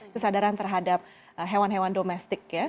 kesadaran terhadap hewan hewan domestik ya